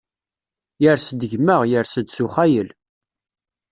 Yers-d gma, yers-d s uxayel.